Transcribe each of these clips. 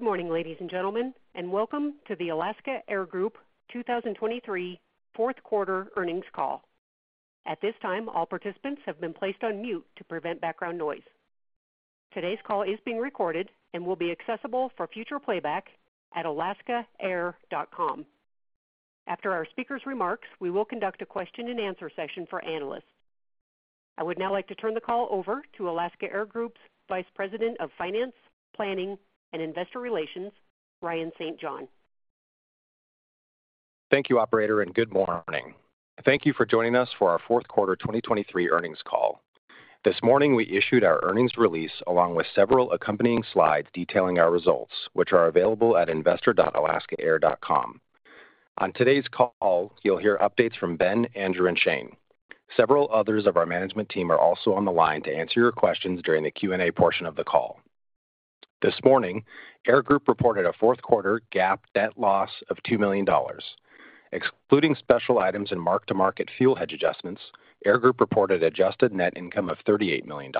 Good morning, ladies and gentlemen, and welcome to the Alaska Air Group 2023 fourth quarter earnings call. At this time, all participants have been placed on mute to prevent background noise. Today's call is being recorded and will be accessible for future playback at alaskaair.com. After our speakers' remarks, we will conduct a question-and-answer session for analysts. I would now like to turn the call over to Alaska Air Group's Vice President of Finance, Planning, and Investor Relations, Ryan St. John. Thank you, operator, and good morning. Thank you for joining us for our fourth quarter 2023 earnings call. This morning, we issued our earnings release along with several accompanying slides detailing our results, which are available at investor.alaskaair.com. On today's call, you'll hear updates from Ben, Andrew, and Shane. Several others of our management team are also on the line to answer your questions during the Q&A portion of the call. This morning, Air Group reported a fourth quarter GAAP net loss of $2 million, excluding special items and mark-to-market fuel hedge adjustments. Air Group reported adjusted net income of $38 million.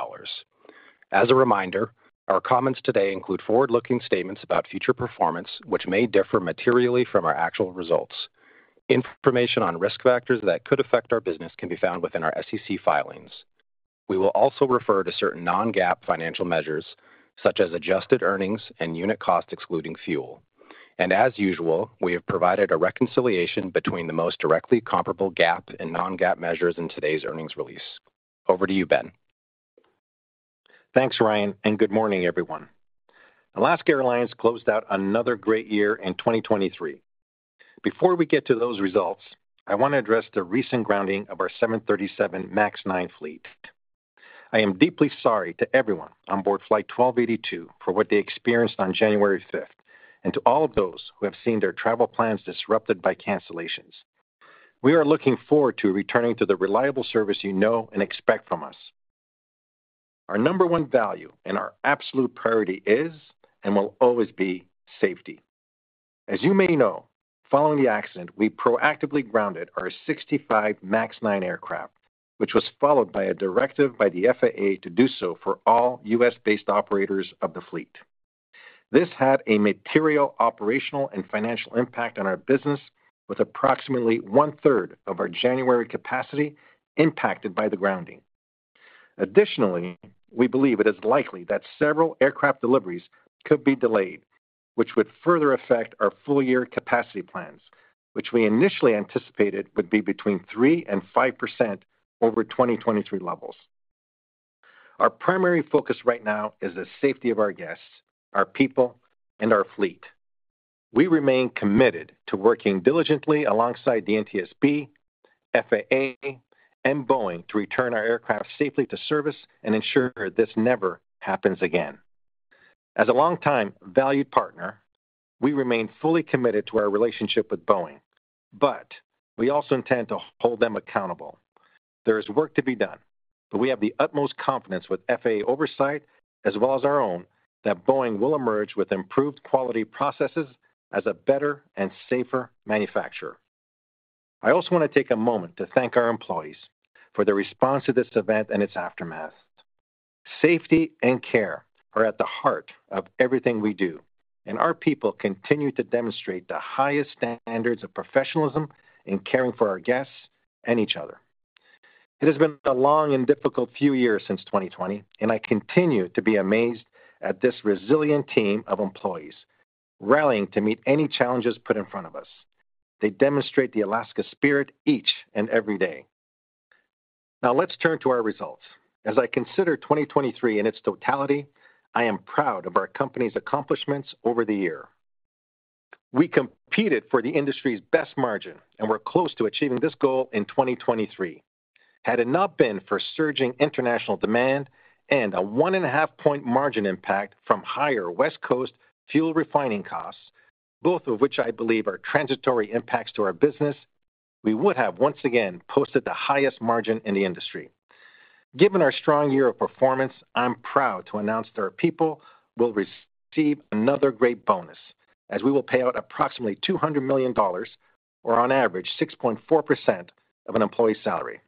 As a reminder, our comments today include forward-looking statements about future performance, which may differ materially from our actual results. Information on risk factors that could affect our business can be found within our SEC filings. We will also refer to certain non-GAAP financial measures, such as adjusted earnings and unit cost, excluding fuel. As usual, we have provided a reconciliation between the most directly comparable GAAP and non-GAAP measures in today's earnings release. Over to you, Ben. Thanks, Ryan, and good morning, everyone. Alaska Airlines closed out another great year in 2023. Before we get to those results, I want to address the recent grounding of our 737 MAX 9 fleet. I am deeply sorry to everyone on board Flight 1282 for what they experienced on January fifth, and to all of those who have seen their travel plans disrupted by cancellations. We are looking forward to returning to the reliable service you know and expect from us. Our number one value and our absolute priority is, and will always be, safety. As you may know, following the accident, we proactively grounded our 65 MAX 9 aircraft, which was followed by a directive by the FAA to do so for all U.S.-based operators of the fleet. This had a material, operational, and financial impact on our business, with approximately one-third of our January capacity impacted by the grounding. Additionally, we believe it is likely that several aircraft deliveries could be delayed, which would further affect our full-year capacity plans, which we initially anticipated would be between 3%-5% over 2023 levels. Our primary focus right now is the safety of our guests, our people, and our fleet. We remain committed to working diligently alongside the NTSB, FAA, and Boeing to return our aircraft safely to service and ensure this never happens again. As a long-time valued partner, we remain fully committed to our relationship with Boeing, but we also intend to hold them accountable. There is work to be done, but we have the utmost confidence with FAA oversight as well as our own, that Boeing will emerge with improved quality processes as a better and safer manufacturer. I also want to take a moment to thank our employees for their response to this event and its aftermath. Safety and care are at the heart of everything we do, and our people continue to demonstrate the highest standards of professionalism in caring for our guests and each other. It has been a long and difficult few years since 2020, and I continue to be amazed at this resilient team of employees, rallying to meet any challenges put in front of us. They demonstrate the Alaska spirit each and every day. Now let's turn to our results. As I consider 2023 in its totality, I am proud of our company's accomplishments over the year. We competed for the industry's best margin and were close to achieving this goal in 2023. Had it not been for surging international demand and a 1.5-point margin impact from higher West Coast fuel refining costs, both of which I believe are transitory impacts to our business, we would have once again posted the highest margin in the industry. Given our strong year of performance, I'm proud to announce that our people will receive another great bonus as we will pay out approximately $200 million or on average, 6.4% of an employee's salary.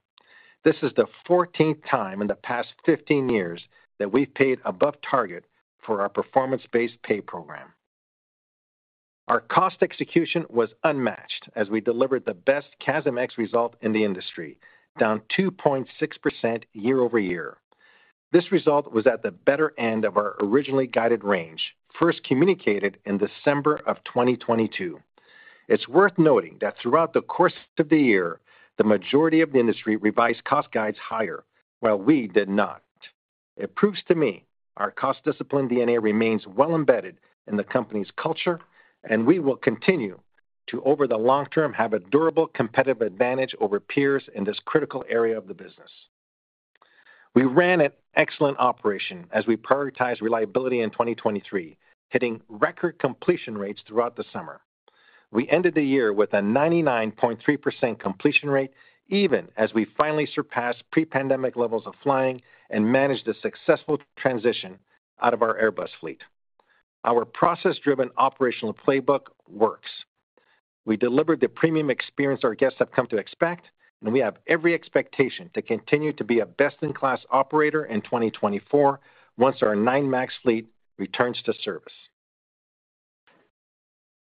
This is the 14th time in the past 15 years that we've paid above target for our performance-based pay program. Our cost execution was unmatched as we delivered the best CASM-ex result in the industry, down 2.6% year-over-year. This result was at the better end of our originally guided range, first communicated in December of 2022. It's worth noting that throughout the course of the year, the majority of the industry revised cost guides higher, while we did not. It proves to me our cost discipline DNA remains well embedded in the company's culture, and we will continue to, over the long term, have a durable competitive advantage over peers in this critical area of the business. We ran an excellent operation as we prioritized reliability in 2023, hitting record completion rates throughout the summer. We ended the year with a 99.3% completion rate, even as we finally surpassed pre-pandemic levels of flying and managed a successful transition out of our Airbus fleet. Our process-driven operational playbook works. We delivered the premium experience our guests have come to expect, and we have every expectation to continue to be a best-in-class operator in 2024 once our 737 MAX 9 fleet returns to service.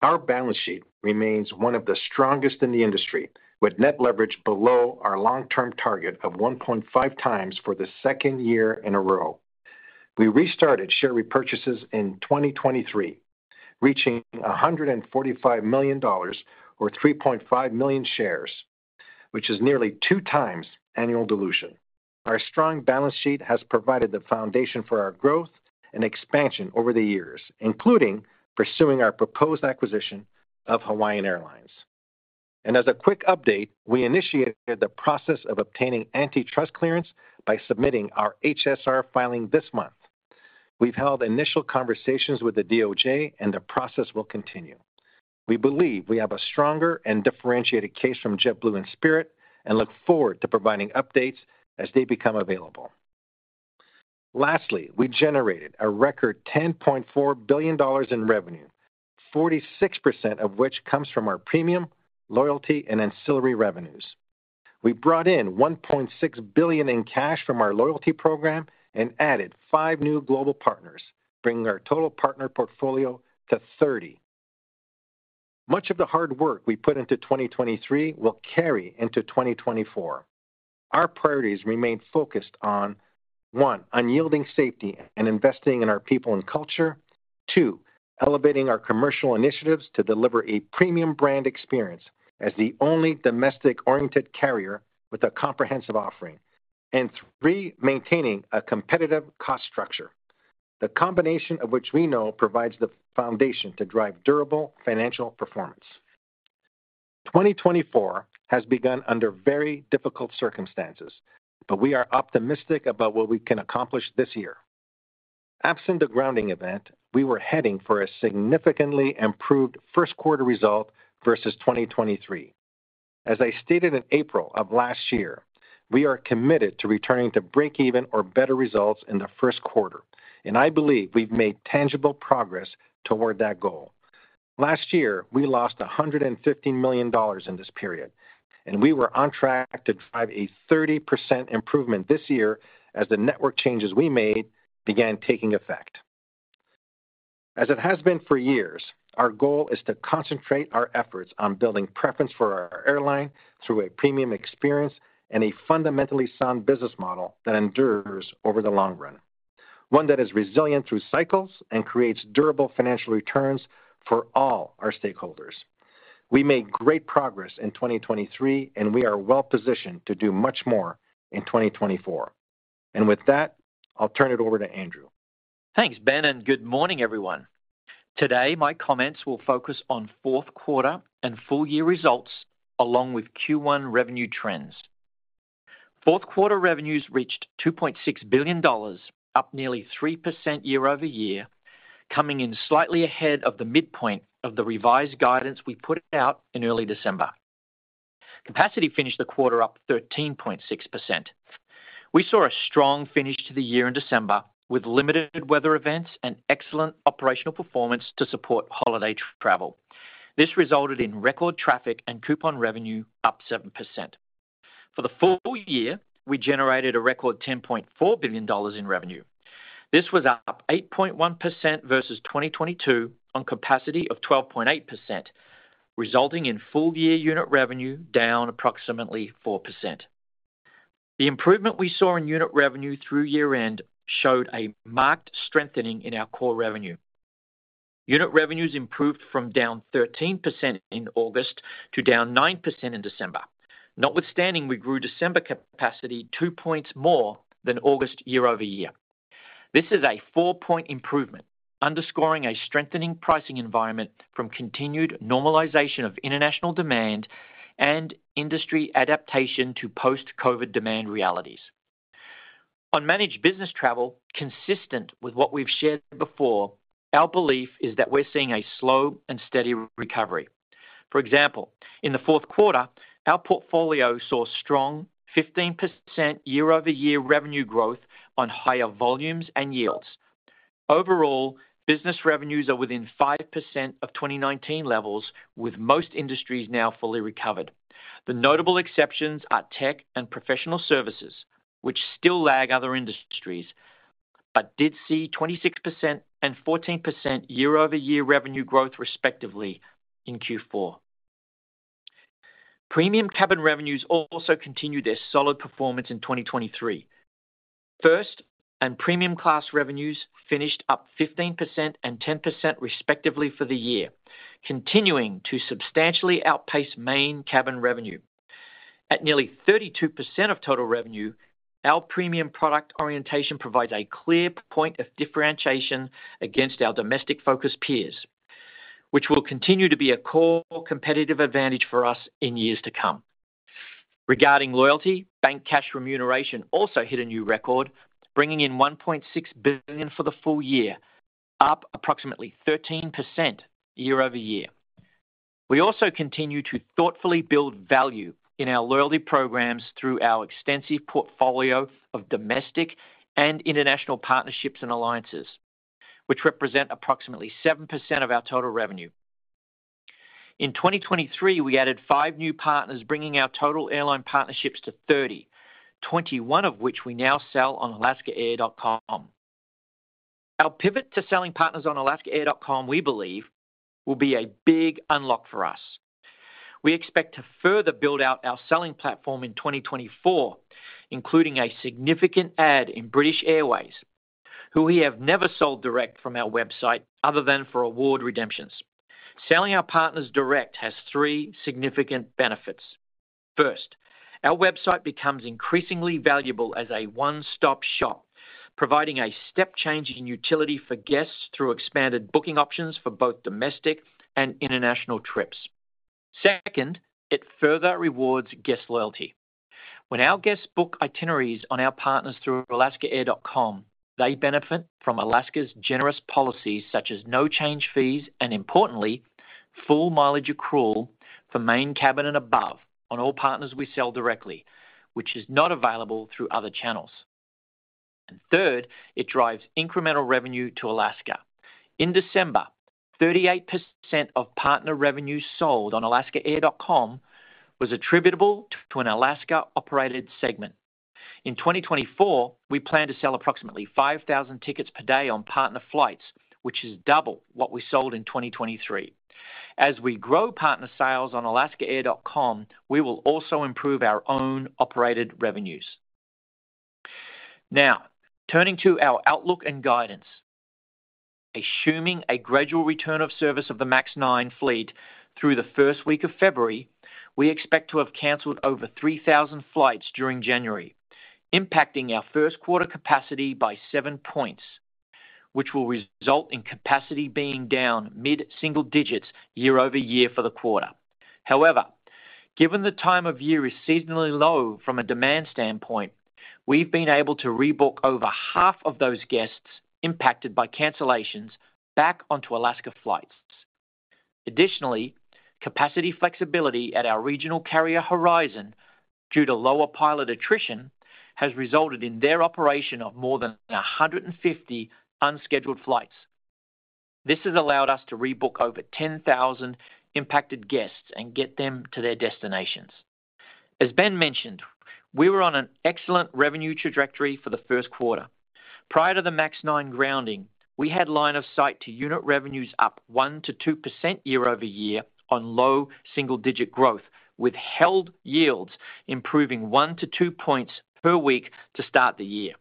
Our balance sheet remains one of the strongest in the industry, with net leverage below our long-term target of 1.5 times for the second year in a row. We restarted share repurchases in 2023, reaching $145 million, or 3.5 million shares, which is nearly 2 times annual dilution. Our strong balance sheet has provided the foundation for our growth and expansion over the years, including pursuing our proposed acquisition of Hawaiian Airlines. As a quick update, we initiated the process of obtaining antitrust clearance by submitting our HSR filing this month. We've held initial conversations with the DOJ, and the process will continue. We believe we have a stronger and differentiated case from JetBlue and Spirit and look forward to providing updates as they become available. Lastly, we generated a record $10.4 billion in revenue, 46% of which comes from our premium, loyalty, and ancillary revenues. We brought in $1.6 billion in cash from our loyalty program and added five new global partners, bringing our total partner portfolio to 30. Much of the hard work we put into 2023 will carry into 2024. Our priorities remain focused on, 1) unyielding safety and investing in our people and culture. 2) elevating our commercial initiatives to deliver a premium brand experience as the only domestic-oriented carrier with a comprehensive offering. And 3) maintaining a competitive cost structure, the combination of which we know provides the foundation to drive durable financial performance. 2024 has begun under very difficult circumstances, but we are optimistic about what we can accomplish this year. Absent the grounding event, we were heading for a significantly improved first quarter result versus 2023. As I stated in April of last year, we are committed to returning to breakeven or better results in the first quarter, and I believe we've made tangible progress toward that goal. Last year, we lost $115 million in this period, and we were on track to drive a 30% improvement this year as the network changes we made began taking effect. As it has been for years, our goal is to concentrate our efforts on building preference for our airline through a premium experience and a fundamentally sound business model that endures over the long run. One that is resilient through cycles and creates durable financial returns for all our stakeholders. We made great progress in 2023, and we are well positioned to do much more in 2024. With that, I'll turn it over to Andrew. Thanks, Ben, and good morning, everyone. Today, my comments will focus on fourth quarter and full-year results, along with Q1 revenue trends. Fourth quarter revenues reached $2.6 billion, up nearly 3% year over year, coming in slightly ahead of the midpoint of the revised guidance we put out in early December. Capacity finished the quarter up 13.6%. We saw a strong finish to the year in December, with limited weather events and excellent operational performance to support holiday travel. This resulted in record traffic and coupon revenue up 7%. For the full year, we generated a record $10.4 billion in revenue. This was up 8.1% versus 2022 on capacity of 12.8%, resulting in full-year unit revenue down approximately 4%. The improvement we saw in unit revenue through year-end showed a marked strengthening in our core revenue. Unit revenues improved from down 13% in August to down 9% in December. Notwithstanding, we grew December capacity 2 points more than August year-over-year. This is a 4-point improvement, underscoring a strengthening pricing environment from continued normalization of international demand and industry adaptation to post-COVID demand realities. On managed business travel, consistent with what we've shared before, our belief is that we're seeing a slow and steady recovery. For example, in the fourth quarter, our portfolio saw strong 15% year-over-year revenue growth on higher volumes and yields. Overall, business revenues are within 5% of 2019 levels, with most industries now fully recovered. The notable exceptions are tech and professional services, which still lag other industries, but did see 26% and 14% year-over-year revenue growth, respectively, in Q4. Premium cabin revenues also continued their solid performance in 2023. First and premium class revenues finished up 15% and 10%, respectively, for the year, continuing to substantially outpace main cabin revenue. At nearly 32% of total revenue, our premium product orientation provides a clear point of differentiation against our domestic-focused peers, which will continue to be a core competitive advantage for us in years to come. Regarding loyalty, bank cash remuneration also hit a new record, bringing in $1.6 billion for the full year, up approximately 13% year-over-year. We also continue to thoughtfully build value in our loyalty programs through our extensive portfolio of domestic and international partnerships and alliances.... which represent approximately 7% of our total revenue. In 2023, we added five new partners, bringing our total airline partnerships to 30, 21 of which we now sell on alaskaair.com. Our pivot to selling partners on alaskaair.com, we believe, will be a big unlock for us. We expect to further build out our selling platform in 2024, including a significant add in British Airways, who we have never sold direct from our website other than for award redemptions. Selling our partners direct has three significant benefits. First, our website becomes increasingly valuable as a one-stop shop, providing a step change in utility for guests through expanded booking options for both domestic and international trips. Second, it further rewards guest loyalty. When our guests book itineraries on our partners through alaskaair.com, they benefit from Alaska's generous policies, such as no change fees and importantly, full mileage accrual for main cabin and above on all partners we sell directly, which is not available through other channels. And third, it drives incremental revenue to Alaska. In December, 38% of partner revenues sold on alaskaair.com was attributable to an Alaska-operated segment. In 2024, we plan to sell approximately 5,000 tickets per day on partner flights, which is double what we sold in 2023. As we grow partner sales on alaskaair.com, we will also improve our own operated revenues. Now, turning to our outlook and guidance. Assuming a gradual return of service of the MAX 9 fleet through the first week of February, we expect to have canceled over 3,000 flights during January, impacting our first quarter capacity by 7 points, which will result in capacity being down mid-single digits year-over-year for the quarter. However, given the time of year is seasonally low from a demand standpoint, we've been able to rebook over half of those guests impacted by cancellations back onto Alaska flights. Additionally, capacity flexibility at our regional carrier, Horizon, due to lower pilot attrition, has resulted in their operation of more than 150 unscheduled flights. This has allowed us to rebook over 10,000 impacted guests and get them to their destinations. As Ben mentioned, we were on an excellent revenue trajectory for the first quarter. Prior to the MAX 9 grounding, we had line of sight to unit revenues up 1%-2% year-over-year on low single-digit growth, with held yields improving 1-2 points per week to start the year.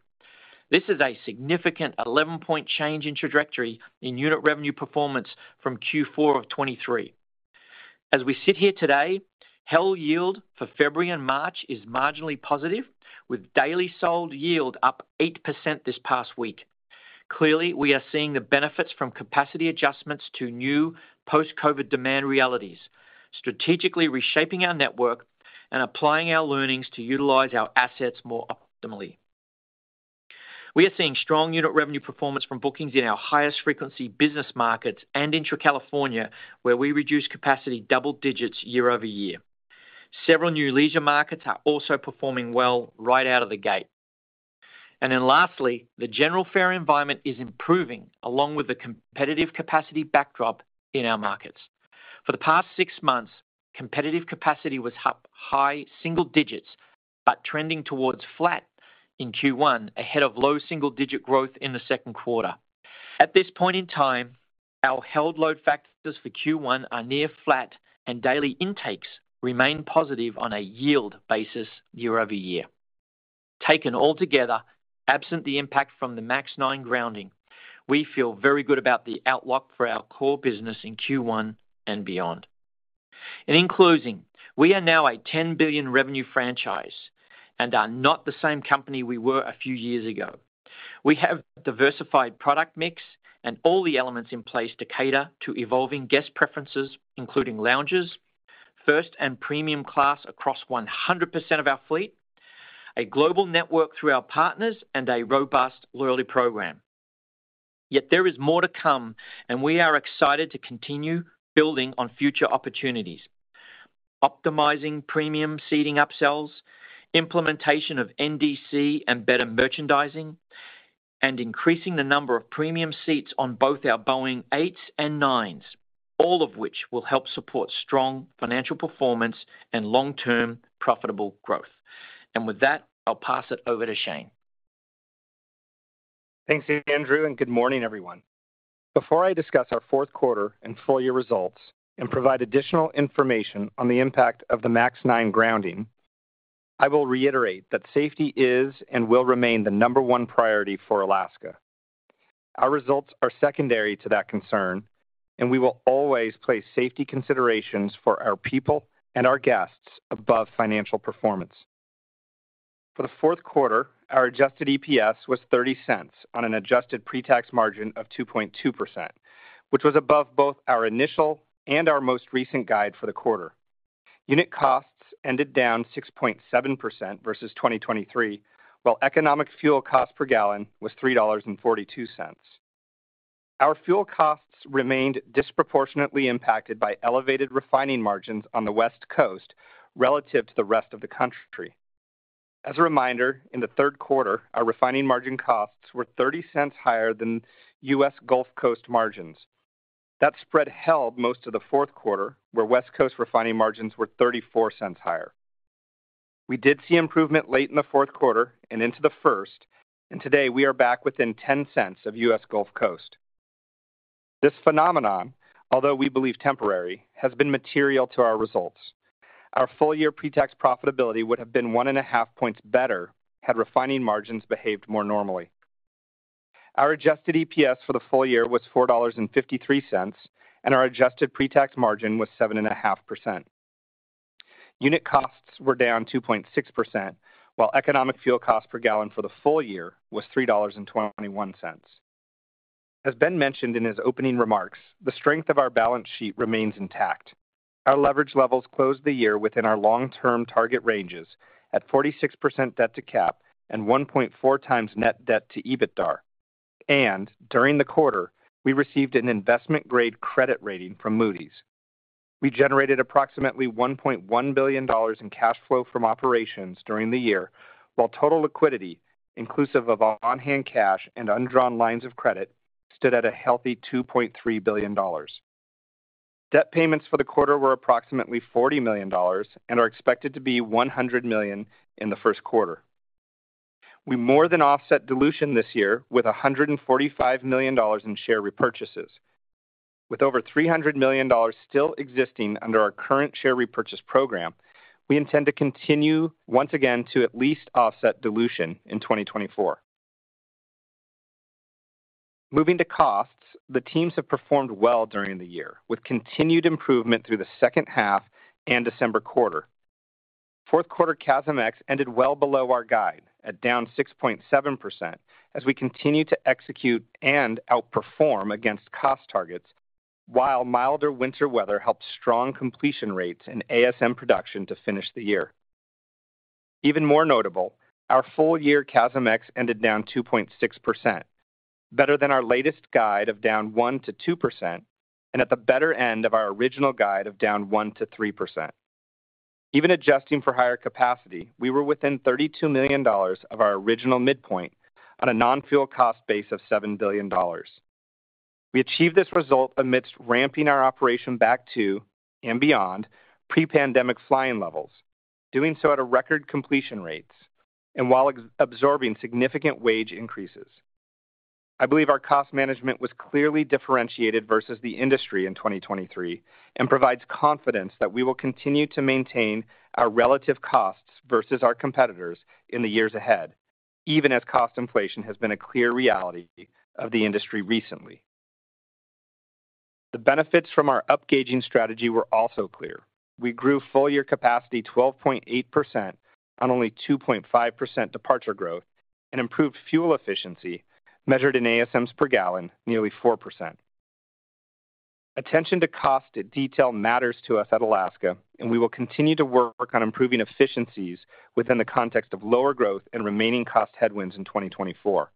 This is a significant 11-point change in trajectory in unit revenue performance from Q4 of 2023. As we sit here today, held yield for February and March is marginally positive, with daily sold yield up 8% this past week. Clearly, we are seeing the benefits from capacity adjustments to new post-COVID demand realities, strategically reshaping our network and applying our learnings to utilize our assets more optimally. We are seeing strong unit revenue performance from bookings in our highest-frequency business markets and intra-California, where we reduced capacity double digits year-over-year. Several new leisure markets are also performing well right out of the gate. Then lastly, the general fare environment is improving, along with the competitive capacity backdrop in our markets. For the past six months, competitive capacity was up high single digits, but trending towards flat in Q1, ahead of low double-digit growth in the second quarter. At this point in time, our held load factors for Q1 are near flat, and daily intakes remain positive on a yield basis year-over-year. Taken altogether, absent the impact from the MAX 9 grounding, we feel very good about the outlook for our core business in Q1 and beyond. In closing, we are now a $10 billion revenue franchise and are not the same company we were a few years ago. We have a diversified product mix and all the elements in place to cater to evolving guest preferences, including lounges, first and premium class across 100% of our fleet, a global network through our partners, and a robust loyalty program. Yet there is more to come, and we are excited to continue building on future opportunities, optimizing premium seating upsells, implementation of NDC and better merchandising, and increasing the number of premium seats on both our Boeing 8s and 9s, all of which will help support strong financial performance and long-term profitable growth. With that, I'll pass it over to Shane. Thanks, Andrew, and good morning, everyone. Before I discuss our fourth quarter and full year results and provide additional information on the impact of the MAX 9 grounding, I will reiterate that safety is and will remain the number one priority for Alaska. Our results are secondary to that concern, and we will always place safety considerations for our people and our guests above financial performance. For the fourth quarter, our adjusted EPS was $0.30 on an adjusted pre-tax margin of 2.2%, which was above both our initial and our most recent guide for the quarter. Unit costs ended down 6.7% versus 2023, while economic fuel cost per gallon was $3.42. Our fuel costs remained disproportionately impacted by elevated refining margins on the West Coast relative to the rest of the country. As a reminder, in the third quarter, our refining margin costs were 30 cents higher than US Gulf Coast margins. That spread held most of the fourth quarter, where West Coast refining margins were 34 cents higher. We did see improvement late in the fourth quarter and into the first, and today we are back within 10 cents of US Gulf Coast. This phenomenon, although we believe temporary, has been material to our results. Our full-year pre-tax profitability would have been 1.5 points better had refining margins behaved more normally. Our adjusted EPS for the full year was $4.53, and our adjusted pre-tax margin was 7.5%. Unit costs were down 2.6%, while economic fuel cost per gallon for the full year was $3.21. As Ben mentioned in his opening remarks, the strength of our balance sheet remains intact. Our leverage levels closed the year within our long-term target ranges at 46% debt to cap and 1.4x net debt to EBITDAR. During the quarter, we received an investment-grade credit rating from Moody's. We generated approximately $1.1 billion in cash flow from operations during the year, while total liquidity, inclusive of on-hand cash and undrawn lines of credit, stood at a healthy $2.3 billion. Debt payments for the quarter were approximately $40 million and are expected to be $100 million in the first quarter. We more than offset dilution this year with $145 million in share repurchases. With over $300 million still existing under our current share repurchase program, we intend to continue once again to at least offset dilution in 2024. Moving to costs, the teams have performed well during the year, with continued improvement through the second half and December quarter. Fourth quarter CASM-ex ended well below our guide, at down 6.7%, as we continue to execute and outperform against cost targets, while milder winter weather helped strong completion rates in ASM production to finish the year. Even more notable, our full-year CASM-ex ended down 2.6%, better than our latest guide of down 1%-2%, and at the better end of our original guide of down 1%-3%. Even adjusting for higher capacity, we were within $32 million of our original midpoint on a non-fuel cost base of $7 billion. We achieved this result amidst ramping our operation back to, and beyond, pre-pandemic flying levels, doing so at a record completion rates and while absorbing significant wage increases. I believe our cost management was clearly differentiated versus the industry in 2023 and provides confidence that we will continue to maintain our relative costs versus our competitors in the years ahead, even as cost inflation has been a clear reality of the industry recently. The benefits from our upgauging strategy were also clear. We grew full-year capacity 12.8% on only 2.5% departure growth and improved fuel efficiency, measured in ASMs per gallon, nearly 4%. Attention to cost and detail matters to us at Alaska, and we will continue to work on improving efficiencies within the context of lower growth and remaining cost headwinds in 2024.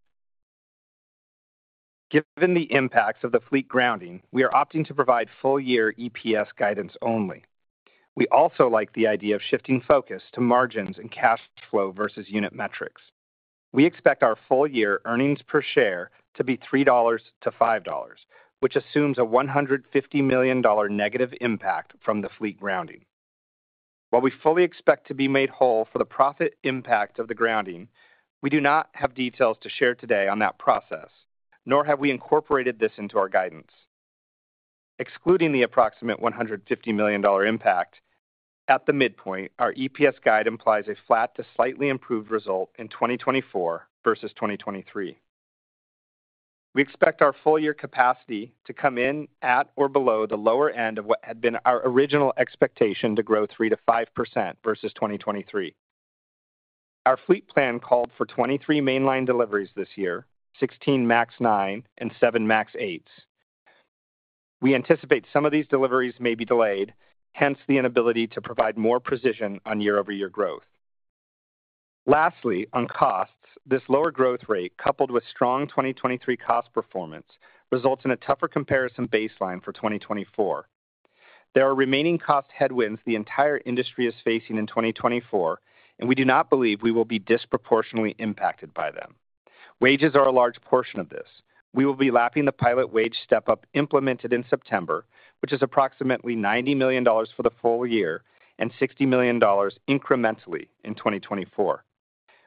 Given the impacts of the fleet grounding, we are opting to provide full-year EPS guidance only. We also like the idea of shifting focus to margins and cash flow versus unit metrics. We expect our full-year earnings per share to be $3-$5, which assumes a $150 million negative impact from the fleet grounding. While we fully expect to be made whole for the profit impact of the grounding, we do not have details to share today on that process, nor have we incorporated this into our guidance. Excluding the approximate $150 million impact, at the midpoint, our EPS guide implies a flat to slightly improved result in 2024 versus 2023. We expect our full-year capacity to come in at or below the lower end of what had been our original expectation to grow 3%-5% versus 2023. Our fleet plan called for 23 mainline deliveries this year, 16 MAX 9 and 7 MAX 8s. We anticipate some of these deliveries may be delayed, hence the inability to provide more precision on year-over-year growth. Lastly, on costs, this lower growth rate, coupled with strong 2023 cost performance, results in a tougher comparison baseline for 2024. There are remaining cost headwinds the entire industry is facing in 2024, and we do not believe we will be disproportionately impacted by them. Wages are a large portion of this. We will be lapping the pilot wage step-up implemented in September, which is approximately $90 million for the full year and $60 million incrementally in 2024.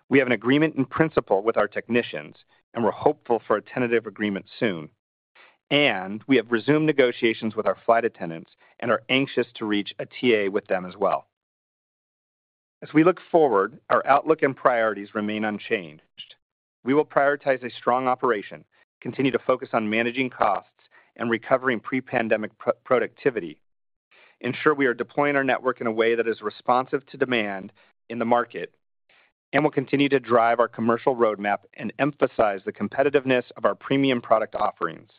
We have an agreement in principle with our technicians, and we're hopeful for a tentative agreement soon, and we have resumed negotiations with our flight attendants and are anxious to reach a TA with them as well. As we look forward, our outlook and priorities remain unchanged. We will prioritize a strong operation, continue to focus on managing costs and recovering pre-pandemic pro-productivity, ensure we are deploying our network in a way that is responsive to demand in the market, and we'll continue to drive our commercial roadmap and emphasize the competitiveness of our premium product offerings.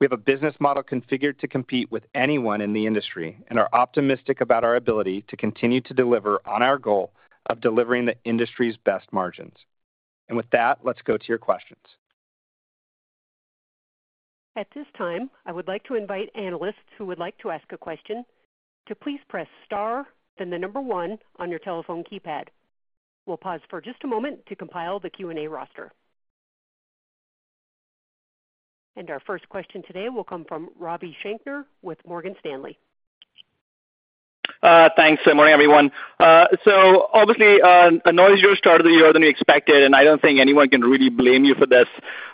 We have a business model configured to compete with anyone in the industry and are optimistic about our ability to continue to deliver on our goal of delivering the industry's best margins. With that, let's go to your questions. At this time, I would like to invite analysts who would like to ask a question to please press star, then the number one on your telephone keypad. We'll pause for just a moment to compile the Q&A roster. Our first question today will come from Ravi Shanker with Morgan Stanley. Thanks, and morning, everyone. So obviously, a noisier start of the year than you expected, and I don't think anyone can really blame you for this.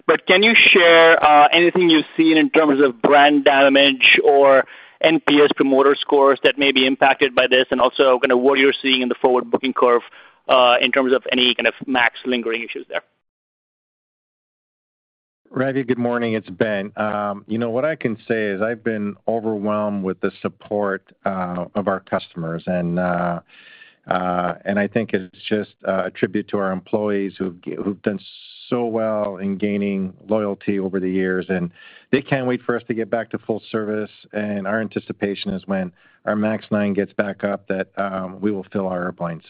But can you share anything you've seen in terms of brand damage or NPS promoter scores that may be impacted by this? And also kind of what you're seeing in the forward booking curve, in terms of any kind of MAX lingering issues there. Ravi, good morning, it's Ben. You know, what I can say is I've been overwhelmed with the support of our customers, and I think it's just a tribute to our employees who've done so well in gaining loyalty over the years, and they can't wait for us to get back to full service. And our anticipation is when our MAX 9 gets back up, that we will fill our airplanes.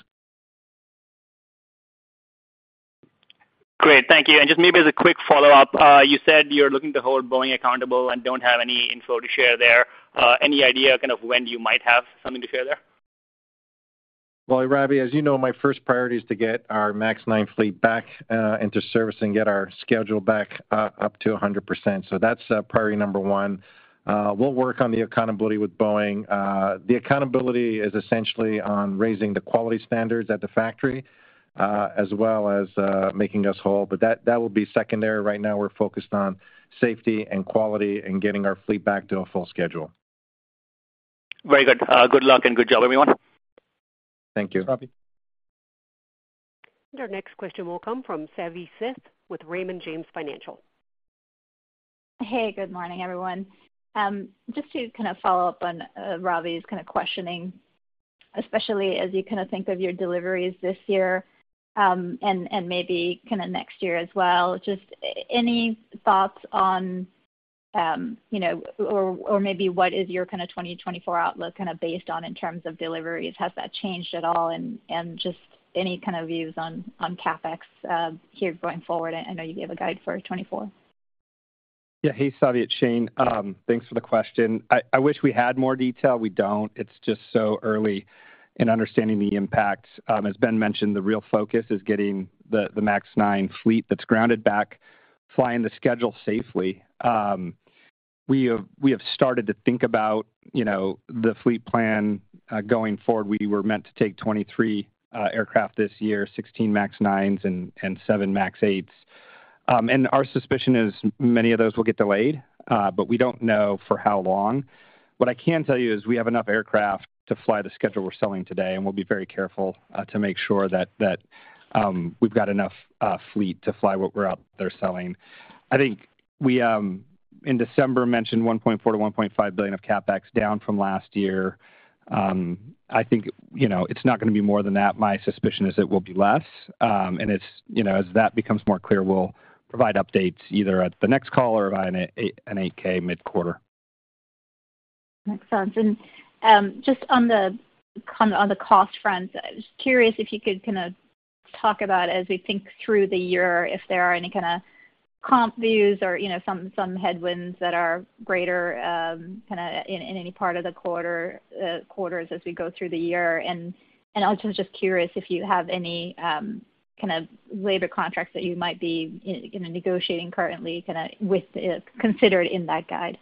Great. Thank you. Just maybe as a quick follow-up, you said you're looking to hold Boeing accountable and don't have any info to share there. Any idea kind of when you might have something to share there? Well, Ravi, as you know, my first priority is to get our MAX 9 fleet back into service and get our schedule back up to 100%. So that's priority number one. We'll work on the accountability with Boeing. The accountability is essentially on raising the quality standards at the factory as well as making us whole, but that will be secondary. Right now, we're focused on safety and quality and getting our fleet back to a full schedule. Very good. Good luck and good job, everyone. Thank you. Our next question will come from Savi Syth with Raymond James Financial. Hey, good morning, everyone. Just to kind of follow up on Ravi's kind of questioning, especially as you kind of think of your deliveries this year, and maybe kind of next year as well, any thoughts on, you know, or maybe what is your kind of 2024 outlook kind of based on in terms of deliveries? Has that changed at all? Just any kind of views on CapEx here going forward. I know you gave a guide for 2024. Yeah. Hey, Savi, it's Shane. Thanks for the question. I wish we had more detail. We don't. It's just so early in understanding the impact. As Ben mentioned, the real focus is getting the MAX 9 fleet that's grounded back flying the schedule safely. We have started to think about, you know, the fleet plan going forward. We were meant to take 23 aircraft this year, 16 MAX 9s and seven MAX 8s. And our suspicion is many of those will get delayed, but we don't know for how long. What I can tell you is we have enough aircraft to fly the schedule we're selling today, and we'll be very careful to make sure that we've got enough fleet to fly what we're out there selling. I think we in December mentioned $1.4 billion-$1.5 billion of CapEx down from last year. I think, you know, it's not gonna be more than that. My suspicion is it will be less. And it's, you know, as that becomes more clear, we'll provide updates either at the next call or by an 8-K mid-quarter. Makes sense. And just on the cost front, I was curious if you could kind of talk about, as we think through the year, if there are any kind of comp views or, you know, some headwinds that are greater, kind of in any part of the quarter, quarters as we go through the year. And also just curious if you have any kind of labor contracts that you might be, you know, negotiating currently, kind of with considered in that guide.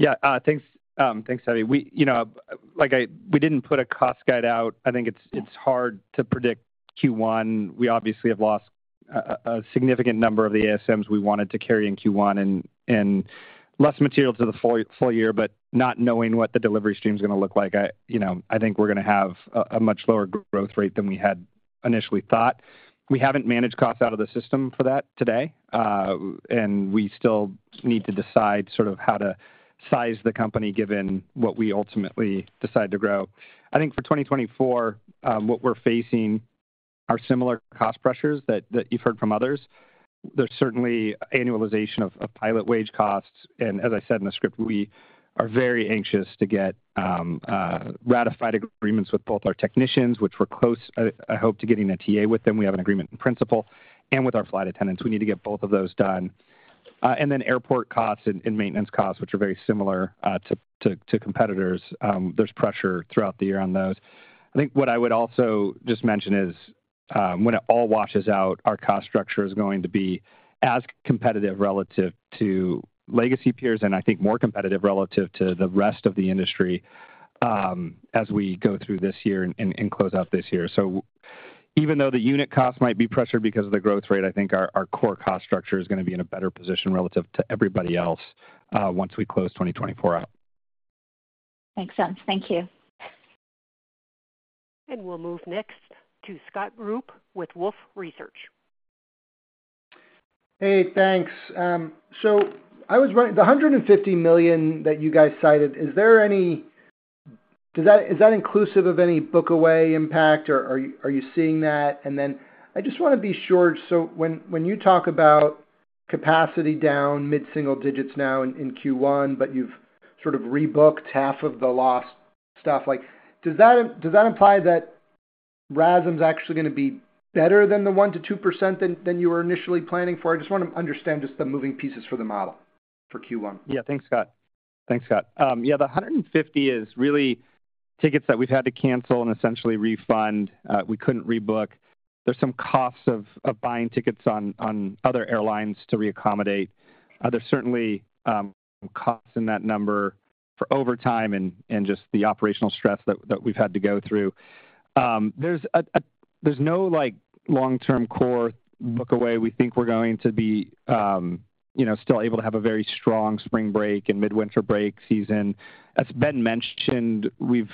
Yeah, thanks, thanks, Savi. We, you know, like we didn't put a cost guide out. I think it's hard to predict Q1. We obviously have lost a significant number of the ASMs we wanted to carry in Q1, and less material to the full year, but not knowing what the delivery stream is gonna look like, you know, I think we're gonna have a much lower growth rate than we had initially thought. We haven't managed costs out of the system for that today, and we still need to decide sort of how to size the company, given what we ultimately decide to grow. I think for 2024, what we're facing are similar cost pressures that you've heard from others. There's certainly annualization of pilot wage costs. And as I said in the script, we are very anxious to get ratified agreements with both our technicians, which we're close, I hope, to getting a TA with them. We have an agreement in principle and with our flight attendants. We need to get both of those done. And then airport costs and maintenance costs, which are very similar to competitors. There's pressure throughout the year on those. I think what I would also just mention is, when it all washes out, our cost structure is going to be as competitive relative to legacy peers, and I think more competitive relative to the rest of the industry, as we go through this year and close out this year. So even though the unit cost might be pressured because of the growth rate, I think our core cost structure is gonna be in a better position relative to everybody else once we close 2024 out. Makes sense. Thank you. We'll move next to Scott Group with Wolfe Research. Hey, thanks. So I was wondering, the $150 million that you guys cited, is there any book away impact, or does that—is that inclusive of any book away impact, or are you seeing that? And then I just want to be sure, so when you talk about capacity down mid-single digits now in Q1, but you've sort of rebooked half of the lost stuff, like, does that imply that RASM is actually going to be better than the 1%-2% that you were initially planning for? I just want to understand just the moving pieces for the model for Q1. Yeah. Thanks, Scott. Thanks, Scott. Yeah, the $150 is really tickets that we've had to cancel and essentially refund, we couldn't rebook. There's some costs of buying tickets on other airlines to reaccommodate. There's certainly costs in that number for overtime and just the operational stress that we've had to go through. There's no, like, long-term core book away. We think we're going to be, you know, still able to have a very strong spring break and mid-winter break season. As Ben mentioned, we've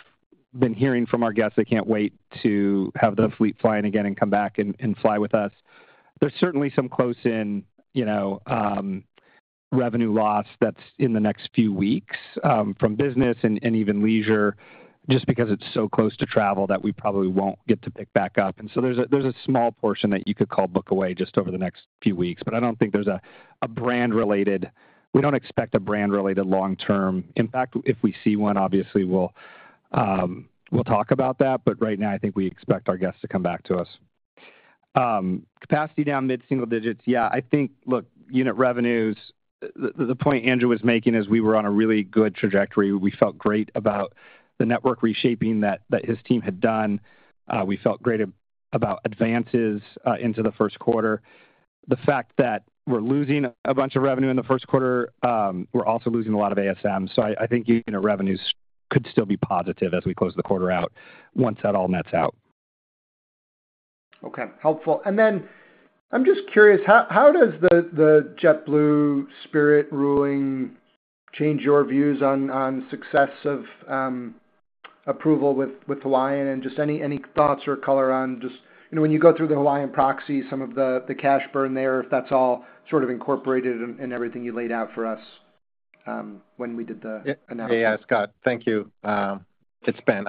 been hearing from our guests, they can't wait to have the fleet flying again and come back and fly with us. There's certainly some close in, you know, revenue loss that's in the next few weeks, from business and even leisure, just because it's so close to travel that we probably won't get to pick back up. And so there's a small portion that you could call book away just over the next few weeks, but I don't think there's a brand-related; we don't expect a brand-related long term. In fact, if we see one, obviously, we'll talk about that, but right now, I think we expect our guests to come back to us. Capacity down mid-single digits. Yeah, I think, look, unit revenues, the point Andrew was making is we were on a really good trajectory. We felt great about the network reshaping that his team had done. We felt great about advances into the first quarter. The fact that we're losing a bunch of revenue in the first quarter, we're also losing a lot of ASMs. So I think unit revenues could still be positive as we close the quarter out, once that all nets out. Okay, helpful. And then I'm just curious, how does the JetBlue Spirit ruling change your views on success of approval with Hawaiian? And just any thoughts or color on just... You know, when you go through the Hawaiian proxy, some of the cash burn there, if that's all sort of incorporated in everything you laid out for us, when we did the announcement. Yeah, Scott, thank you. It's Ben.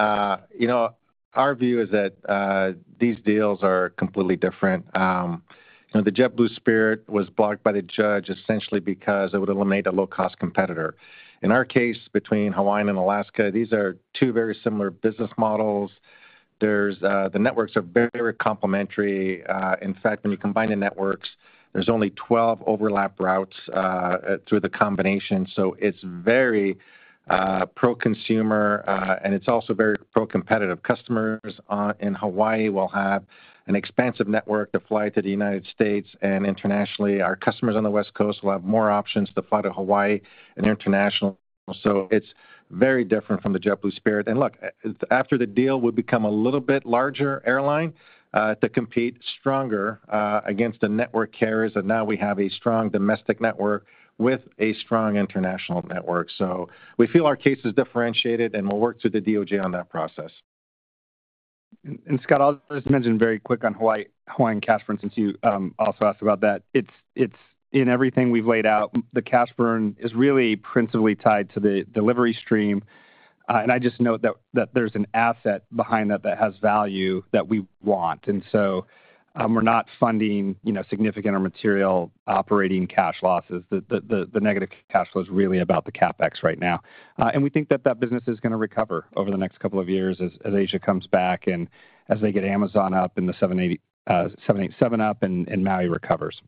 You know, our view is that these deals are completely different. You know, the JetBlue Spirit was blocked by the judge, essentially because it would eliminate a low-cost competitor. In our case, between Hawaiian and Alaska, these are two very similar business models. There's the networks are very complementary. In fact, when you combine the networks, there's only 12 overlap routes through the combination, so it's very pro-consumer and it's also very pro-competitive. Customers in Hawaii will have an expansive network to fly to the United States and internationally. Our customers on the West Coast will have more options to fly to Hawaii and international. So it's very different from the JetBlue Spirit. And look, after the deal, we've become a little bit larger airline, to compete stronger, against the network carriers, and now we have a strong domestic network with a strong international network. So we feel our case is differentiated, and we'll work through the DOJ on that process. And, Scott, I'll just mention very quick on Hawaiian cash burn, since you also asked about that. It's in everything we've laid out. The cash burn is really principally tied to the delivery stream. And I just note that there's an asset behind that that has value that we want. And so, we're not funding, you know, significant or material operating cash losses. The negative cash flow is really about the CapEx right now. And we think that business is going to recover over the next couple of years as Asia comes back and as they get Amazon up and the 787 up and Maui recovers.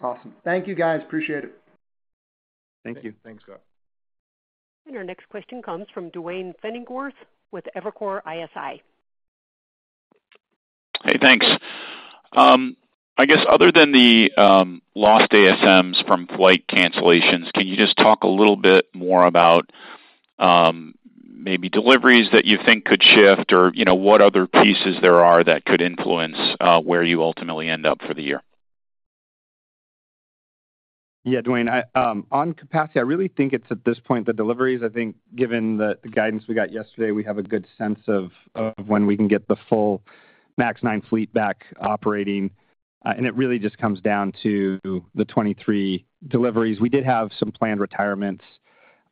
Awesome. Thank you, guys. Appreciate it. Thank you. Thanks, Scott. Our next question comes from Duane Pfennigwerth with Evercore ISI. Hey, thanks. I guess other than the lost ASMs from flight cancellations, can you just talk a little bit more about maybe deliveries that you think could shift? Or, you know, what other pieces there are that could influence where you ultimately end up for the year? Yeah, Duane, I on capacity, I really think it's at this point, the deliveries, I think, given the guidance we got yesterday, we have a good sense of when we can get the full MAX 9 fleet back operating, and it really just comes down to the 23 deliveries. We did have some planned retirements,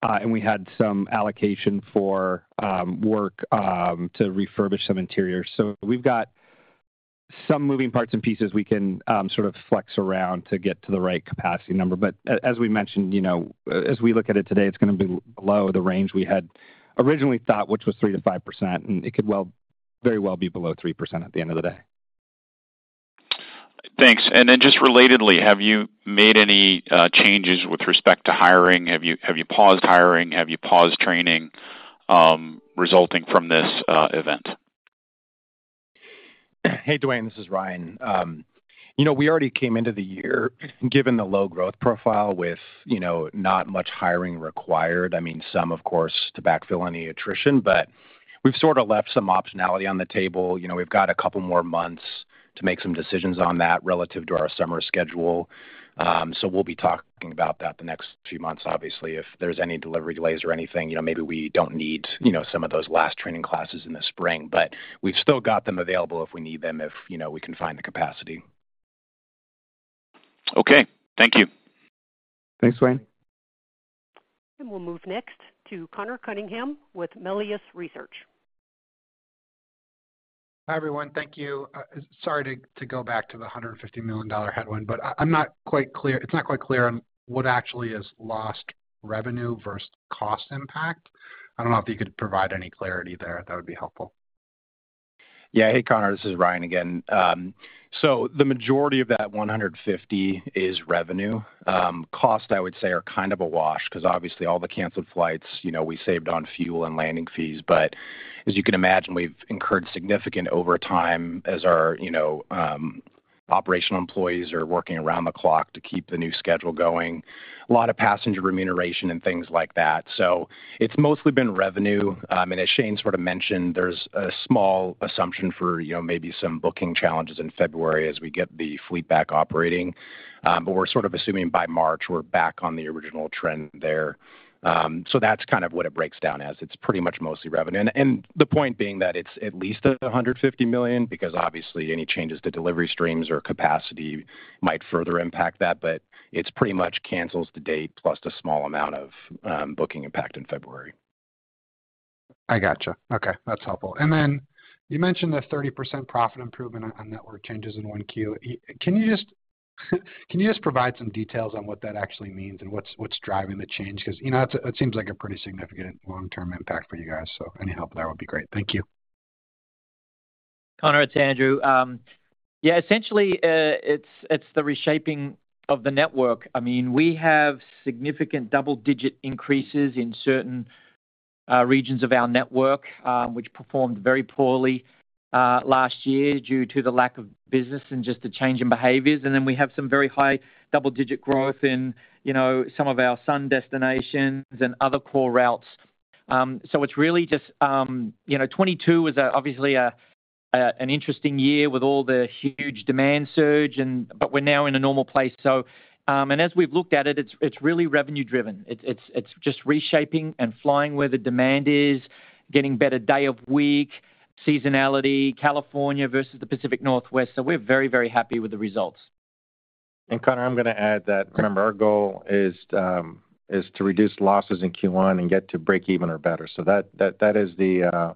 and we had some allocation for work to refurbish some interiors. So we've got some moving parts and pieces we can sort of flex around to get to the right capacity number. But as we mentioned, you know, as we look at it today, it's going to be below the range we had originally thought, which was 3%-5%, and it could well very well be below 3% at the end of the day. Thanks. Then just relatedly, have you made any changes with respect to hiring? Have you paused hiring? Have you paused training resulting from this event? Hey, Duane, this is Ryan. You know, we already came into the year, given the low growth profile with, you know, not much hiring required. I mean, some, of course, to backfill any attrition, but we've sort of left some optionality on the table. You know, we've got a couple more months to make some decisions on that relative to our summer schedule. So we'll be talking about that the next few months. Obviously, if there's any delivery delays or anything, you know, maybe we don't need, you know, some of those last training classes in the spring, but we've still got them available if we need them, if, you know, we can find the capacity. Okay. Thank you. Thanks, Duane. We'll move next to Conor Cunningham with Melius Research. Hi, everyone. Thank you. Sorry to go back to the $150 million headwind, but I'm not quite clear. It's not quite clear on what actually is lost revenue versus cost impact. I don't know if you could provide any clarity there. That would be helpful. Yeah. Hey, Connor, this is Ryan again. So the majority of that $150 is revenue. Cost, I would say, are kind of a wash, 'cause obviously, all the canceled flights, you know, we saved on fuel and landing fees. But as you can imagine, we've incurred significant overtime as our, you know, operational employees are working around the clock to keep the new schedule going. A lot of passenger remuneration and things like that. So it's mostly been revenue. And as Shane sort of mentioned, there's a small assumption for, you know, maybe some booking challenges in February as we get the fleet back operating. But we're sort of assuming by March, we're back on the original trend there. So that's kind of what it breaks down as. It's pretty much mostly revenue. The point being that it's at least $150 million, because obviously, any changes to delivery streams or capacity might further impact that, but it's pretty much cancels to date, plus a small amount of booking impact in February. I gotcha. Okay, that's helpful. And then you mentioned the 30% profit improvement on network changes in 1Q. Can you just, can you just provide some details on what that actually means and what's, what's driving the change? 'Cause, you know, it's a, it seems like a pretty significant long-term impact for you guys, so any help there would be great. Thank you. Connor, it's Andrew. Yeah, essentially, it's the reshaping of the network. I mean, we have significant double-digit increases in certain regions of our network, which performed very poorly last year due to the lack of business and just the change in behaviors. And then we have some very high double-digit growth in, you know, some of our sun destinations and other core routes. So it's really just... You know, 2022 was obviously an interesting year with all the huge demand surge and—but we're now in a normal place. So, and as we've looked at it, it's really revenue-driven. It's just reshaping and flying where the demand is, getting better day of week, seasonality, California versus the Pacific Northwest. So we're very, very happy with the results. Connor, I'm gonna add that, remember, our goal is to reduce losses in Q1 and get to break even or better. So that is the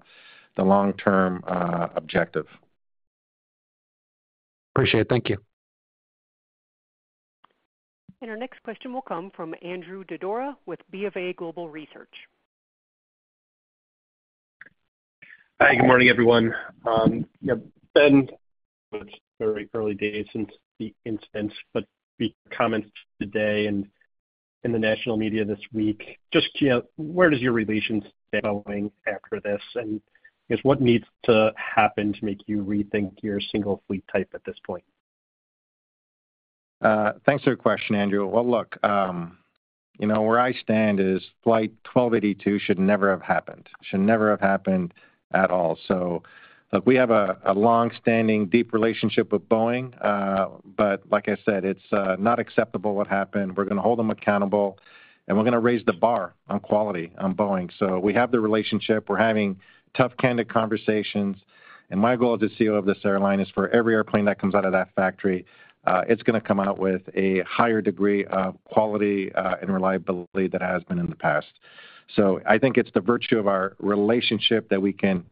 long-term objective. Appreciate it. Thank you. Our next question will come from Andrew Didora with BofA Global Research. Hi, good morning, everyone. Yeah, Ben, it's very early days since the incident, but the comments today and in the national media this week, just, you know, where does your relationship going after this? And I guess, what needs to happen to make you rethink your single fleet type at this point? Thanks for the question, Andrew. Well, look, you know, where I stand is Flight 1282 should never have happened, should never have happened at all. So look, we have a long-standing, deep relationship with Boeing, but like I said, it's not acceptable what happened. We're gonna hold them accountable, and we're gonna raise the bar on quality on Boeing. So we have the relationship. We're having tough, candid conversations, and my goal as the CEO of this airline is for every airplane that comes out of that factory, it's gonna come out with a higher degree of quality and reliability than it has been in the past. So I think it's the virtue of our relationship that we can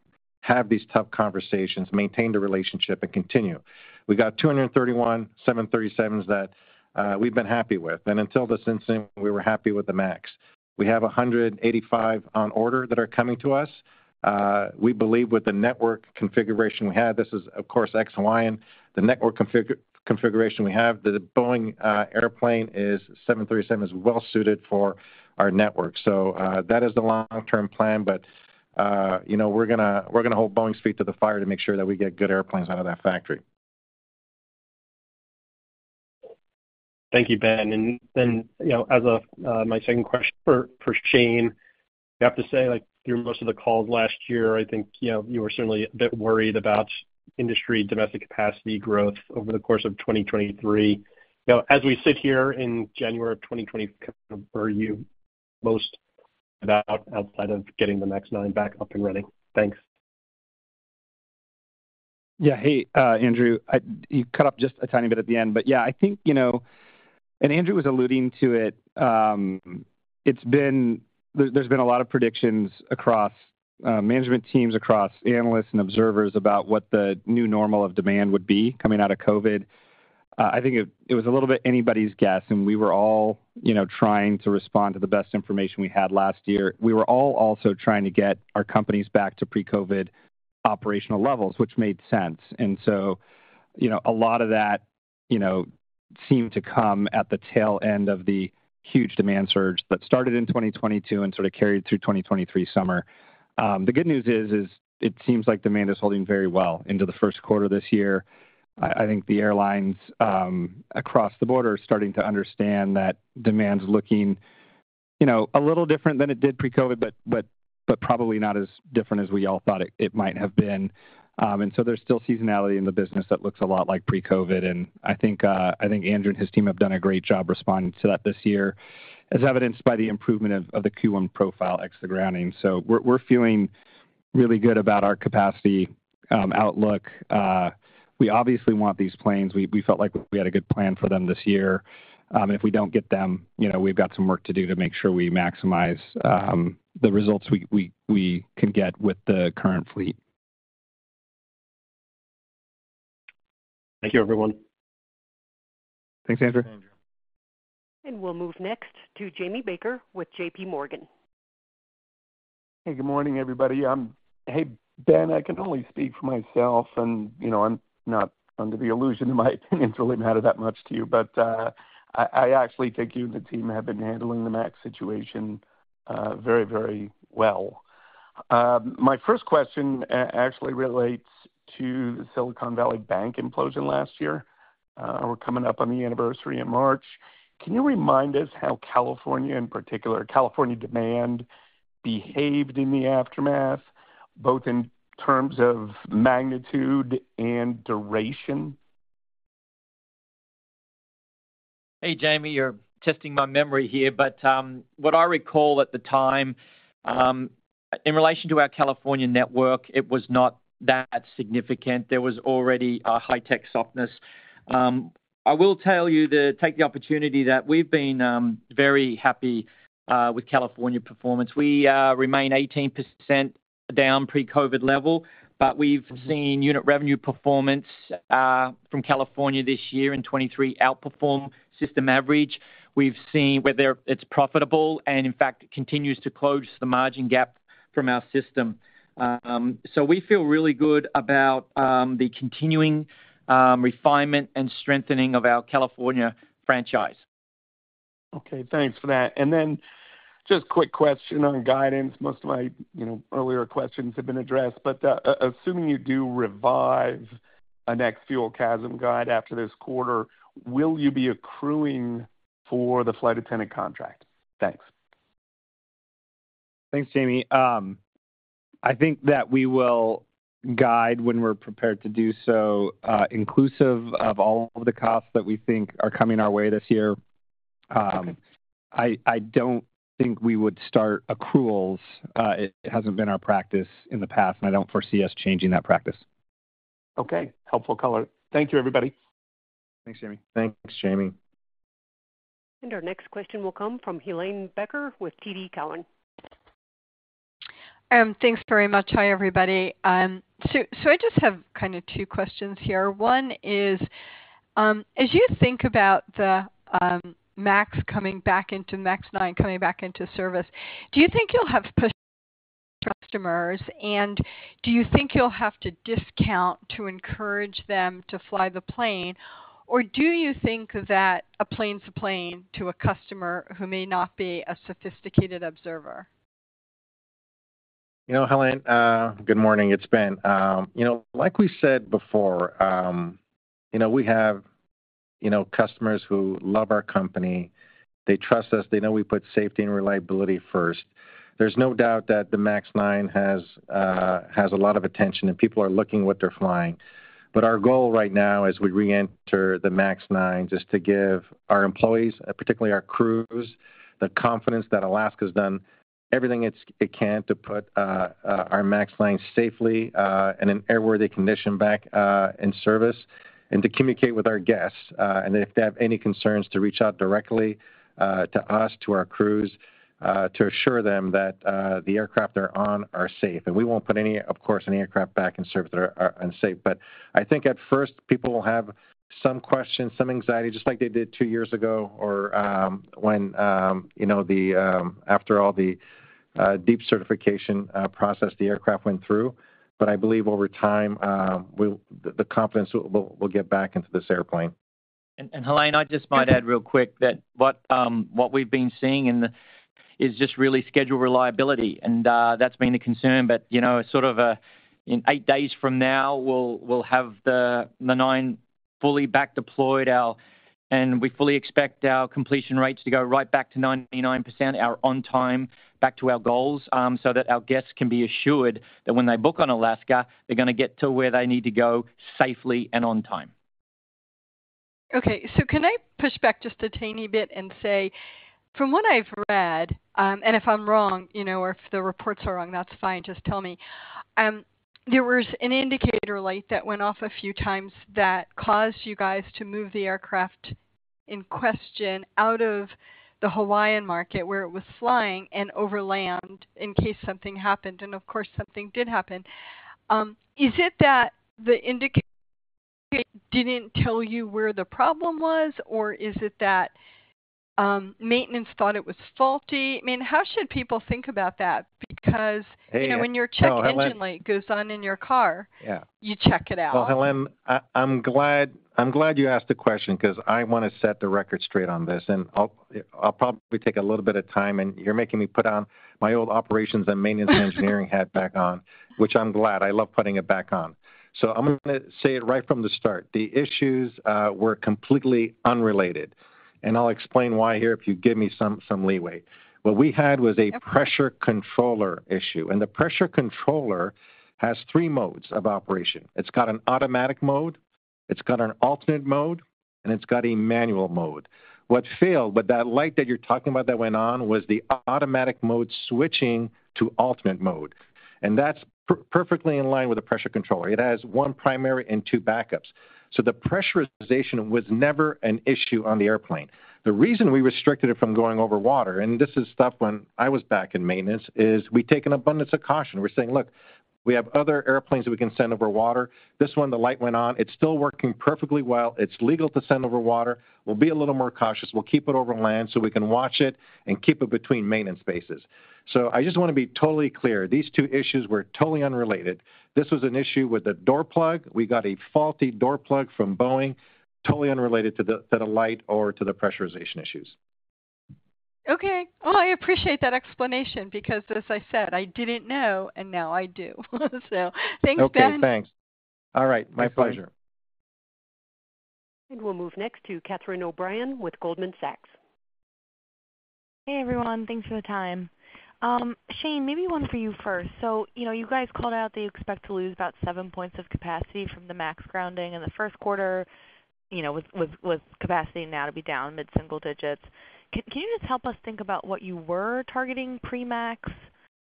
have these tough conversations, maintain the relationship, and continue. We've got 231 737s that we've been happy with, and until this incident, we were happy with the MAX. We have 185 on order that are coming to us. We believe with the network configuration we have, this is, of course, X Y, and the network configuration we have, the Boeing airplane is, 737 is well suited for our network. So, that is the long-term plan, but, you know, we're gonna, we're gonna hold Boeing's feet to the fire to make sure that we get good airplanes out of that factory. Thank you, Ben. And then, you know, as my second question for Shane, I have to say, like, through most of the calls last year, I think, you know, you were certainly a bit worried about industry domestic capacity growth over the course of 2023. You know, as we sit here in January of 2024, are you most about outside of getting the MAX 9 back up and running? Thanks. Yeah. Hey, Andrew, you cut up just a tiny bit at the end, but yeah, I think, you know, and Andrew was alluding to it. It's been. There's been a lot of predictions across management teams, across analysts and observers, about what the new normal of demand would be coming out of COVID. I think it was a little bit anybody's guess, and we were all, you know, trying to respond to the best information we had last year. We were all also trying to get our companies back to pre-COVID operational levels, which made sense. And so, you know, a lot of that seemed to come at the tail end of the huge demand surge that started in 2022 and sort of carried through 2023 summer. The good news is, it seems like demand is holding very well into the first quarter this year. I think the airlines across the board are starting to understand that demand is looking, you know, a little different than it did pre-COVID, but probably not as different as we all thought it might have been. And so there's still seasonality in the business that looks a lot like pre-COVID, and I think Andrew and his team have done a great job responding to that this year, as evidenced by the improvement of the Q1 profile ex the grounding. So we're feeling really good about our capacity outlook. We obviously want these planes. We felt like we had a good plan for them this year, and if we don't get them, you know, we've got some work to do to make sure we maximize the results we can get with the current fleet. Thank you, everyone. Thanks, Andrew. We'll move next to Jamie Baker with JPMorgan. Hey, good morning, everybody. Hey, Ben, I can only speak for myself, and, you know, I'm not under the illusion that my opinion really matter that much to you, but, I actually think you and the team have been handling the MAX situation, very, very well. My first question actually relates to the Silicon Valley Bank implosion last year. We're coming up on the anniversary in March. Can you remind us how California, in particular, California demand behaved in the aftermath, both in terms of magnitude and duration? Hey, Jamie, you're testing my memory here, but what I recall at the time, in relation to our California network, it was not that significant. There was already a high-tech softness. I will tell you to take the opportunity that we've been very happy with California performance. We remain 18% down pre-COVID level, but we've seen unit revenue performance from California this year in 2023 outperform system average. We've seen whether it's profitable and in fact, continues to close the margin gap from our system. So we feel really good about the continuing refinement and strengthening of our California franchise. Okay, thanks for that. And then just quick question on guidance. Most of my, you know, earlier questions have been addressed, but assuming you do revive the next ex-fuel CASM guidance after this quarter, will you be accruing for the flight attendant contract? Thanks. Thanks, Jamie. I think that we will guide when we're prepared to do so, inclusive of all of the costs that we think are coming our way this year. I don't think we would start accruals. It hasn't been our practice in the past, and I don't foresee us changing that practice. Okay. Helpful color. Thank you, everybody. Thanks, Jamie. Thanks, Jamie. Our next question will come from Helane Becker with TD Cowen. Thanks very much. Hi, everybody. So I just have kind of two questions here. One is, as you think about the MAX coming back into MAX 9 coming back into service, do you think you'll have customers, and do you think you'll have to discount to encourage them to fly the plane? Or do you think that a plane's a plane to a customer who may not be a sophisticated observer? You know, Helane, good morning, it's Ben. You know, like we said before, you know, we have, you know, customers who love our company. They trust us. They know we put safety and reliability first. There's no doubt that the MAX 9 has a lot of attention, and people are looking what they're flying. But our goal right now as we reenter the MAX 9, is to give our employees, particularly our crews, the confidence that Alaska's done everything it can to put our MAX planes safely in an airworthy condition back in service, and to communicate with our guests, and if they have any concerns, to reach out directly to us, to our crews, to assure them that the aircraft they're on are safe. We won't put any, of course, any aircraft back in service that are unsafe. But I think at first people will have some questions, some anxiety, just like they did two years ago or when you know the after all the deep certification process the aircraft went through. But I believe over time the confidence will get back into this airplane. Helane, I just might add real quick that what, what we've been seeing is just really schedule reliability, and that's been a concern. But you know, sort of, in 8 days from now, we'll have the nine fully back deployed, and we fully expect our completion rates to go right back to 99%, our on-time back to our goals, so that our guests can be assured that when they book on Alaska, they're gonna get to where they need to go safely and on time. Okay, so can I push back just a teeny bit and say, from what I've read, and if I'm wrong, you know, or if the reports are wrong, that's fine, just tell me. There was an indicator light that went off a few times that caused you guys to move the aircraft in question out of the Hawaiian market, where it was flying and over land in case something happened. And of course, something did happen. Is it that the indicator didn't tell you where the problem was, or is it that, maintenance thought it was faulty? I mean, how should people think about that? Because- Hey, so Helane... When your check engine light goes on in your car. Yeah. You check it out. Well, Helane, I'm glad, I'm glad you asked the question because I want to set the record straight on this, and I'll, I'll probably take a little bit of time, and you're making me put on my old operations and maintenance engineering hat back on, which I'm glad. I love putting it back on. So I'm gonna say it right from the start. The issues were completely unrelated, and I'll explain why here, if you give me some, some leeway. What we had was a- Yep Pressure controller issue, and the pressure controller has three modes of operation. It's got an automatic mode, it's got an alternate mode, and it's got a manual mode. What failed with that light that you're talking about that went on, was the automatic mode switching to alternate mode, and that's perfectly in line with the pressure controller. It has one primary and two backups, so the pressurization was never an issue on the airplane. The reason we restricted it from going over water, and this is stuff when I was back in maintenance, is we take an abundance of caution. We're saying: Look, we have other airplanes that we can send over water. This one, the light went on. It's still working perfectly well. It's legal to send over water. We'll be a little more cautious. We'll keep it over land so we can watch it and keep it between maintenance spaces. So I just want to be totally clear, these two issues were totally unrelated. This was an issue with the door plug. We got a faulty door plug from Boeing, totally unrelated to the, to the light or to the pressurization issues. Okay. Well, I appreciate that explanation because as I said, I didn't know, and now I do. So thanks, Ben. Okay, thanks. All right. My pleasure. We'll move next to Katie O'Brien with Goldman Sachs. Hey, everyone. Thanks for the time. Shane, maybe one for you first. So you know, you guys called out that you expect to lose about 7 points of capacity from the MAX grounding in the first quarter, you know, with capacity now to be down mid-single digits. Can you just help us think about what you were targeting pre-MAX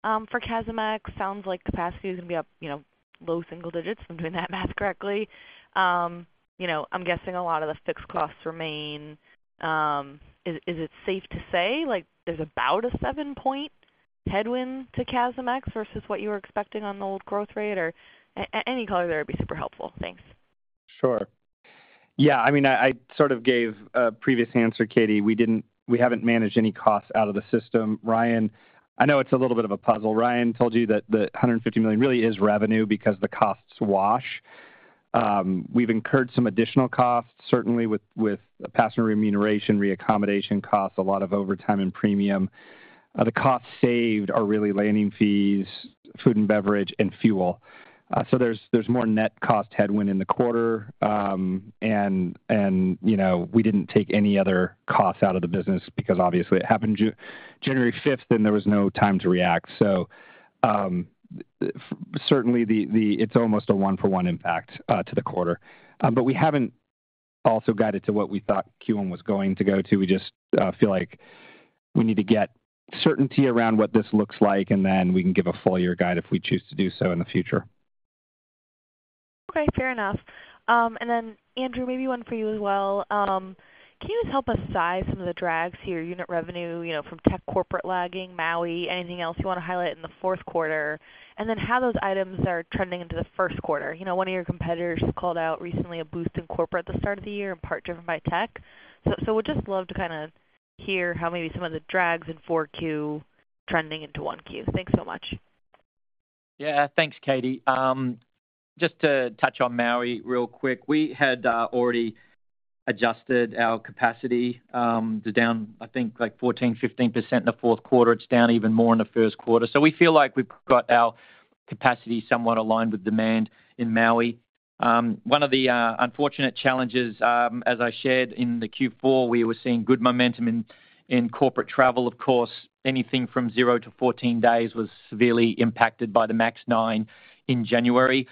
for CASM-ex? Sounds like capacity is going to be up, you know, low single digits, if I'm doing that math correctly. You know, I'm guessing a lot of the fixed costs remain. Is it safe to say, like, there's about a 7-point headwind to CASM-ex versus what you were expecting on the old growth rate? Or any color there would be super helpful. Thanks. Sure. Yeah, I mean, I sort of gave a previous answer, Katie. We didn't, we haven't managed any costs out of the system. Ryan, I know it's a little bit of a puzzle. Ryan told you that the $150 million really is revenue because the costs wash. We've incurred some additional costs, certainly with passenger remuneration, reaccommodation costs, a lot of overtime and premium. The costs saved are really landing fees, food and beverage, and fuel. So there's more net cost headwind in the quarter, and you know, we didn't take any other costs out of the business because obviously it happened January fifth, and there was no time to react. So certainly it's almost a one-for-one impact to the quarter. But we haven't also guided to what we thought Q1 was going to go to. We just feel like we need to get certainty around what this looks like, and then we can give a full year guide if we choose to do so in the future. Okay, fair enough. And then, Andrew, maybe one for you as well. Can you just help us size some of the drags here, unit revenue, you know, from tech, corporate lagging, Maui, anything else you want to highlight in the fourth quarter, and then how those items are trending into the first quarter? You know, one of your competitors called out recently a boost in corporate at the start of the year, in part driven by tech. So, we'd just love to kind of hear how maybe some of the drags in 4Q trending into 1Q. Thanks so much. Yeah. Thanks, Katie. Just to touch on Maui real quick, we had already adjusted our capacity down, I think, like 14-15% in the fourth quarter. It's down even more in the first quarter. So we feel like we've got our capacity somewhat aligned with demand in Maui. One of the unfortunate challenges, as I shared in the Q4, we were seeing good momentum in corporate travel. Of course, anything from zero to 14 days was severely impacted by the MAX Nine in January.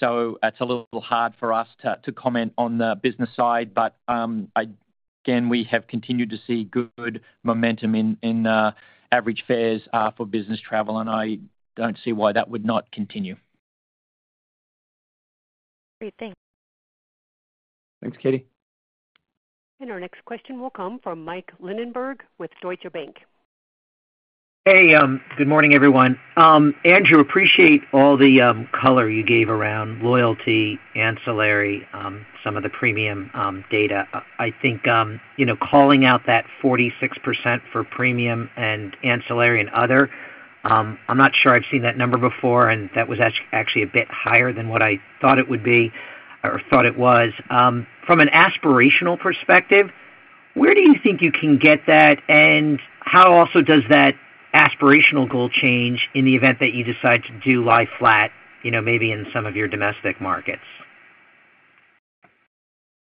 So it's a little hard for us to comment on the business side, but again, we have continued to see good momentum in average fares for business travel, and I don't see why that would not continue. Great. Thanks. Thanks, Katie. Our next question will come from Mike Linenberg with Deutsche Bank. Hey, good morning, everyone. Andrew, appreciate all the color you gave around loyalty, ancillary, some of the premium data. I think, you know, calling out that 46% for premium and ancillary and other, I'm not sure I've seen that number before, and that was actually a bit higher than what I thought it would be or thought it was. From an aspirational perspective, where do you think you can get that? And how also does that aspirational goal change in the event that you decide to do lie flat, you know, maybe in some of your domestic markets?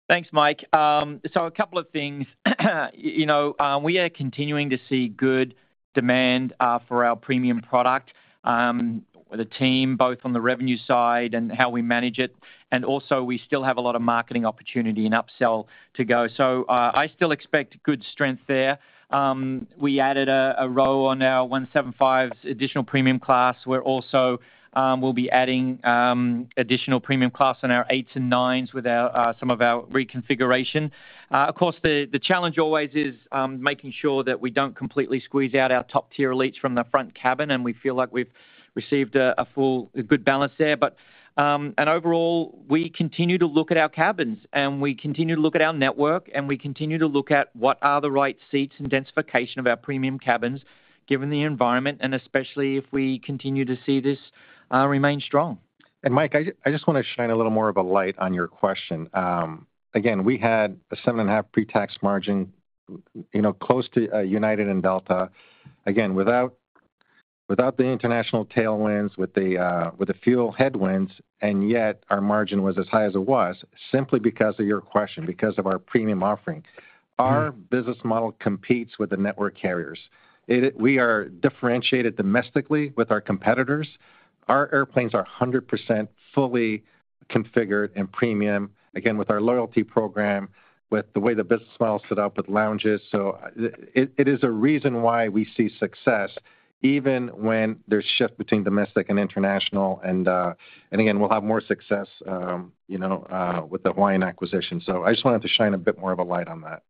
Thanks, Mike. So a couple of things. You know, we are continuing to see good demand for our premium product. The team, both on the revenue side and how we manage it, and also we still have a lot of marketing opportunity and upsell to go. So, I still expect good strength there. We added a row on our 175 additional premium class. We're also, we'll be adding additional premium class on our 8s and 9s with some of our reconfiguration. Of course, the challenge always is making sure that we don't completely squeeze out our top-tier elites from the front cabin, and we feel like we've received a good balance there. Overall, we continue to look at our cabins, and we continue to look at our network, and we continue to look at what are the right seats and densification of our premium cabins, given the environment, and especially if we continue to see this remain strong. Mike, I just want to shine a little more of a light on your question. Again, we had a 7.5% pre-tax margin, you know, close to United and Delta. Again, without the international tailwinds, with the fuel headwinds, and yet our margin was as high as it was, simply because of your question, because of our premium offering. Our business model competes with the network carriers. It is. We are differentiated domestically with our competitors. Our airplanes are 100% fully configured and premium, again, with our loyalty program, with the way the business model is set up with lounges. So it is a reason why we see success, even when there's shift between domestic and international, and again, we'll have more success, you know, with the Hawaiian acquisition. So I just wanted to shine a bit more of a light on that.